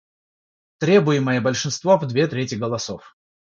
Требуемое большинство в две трети голосов: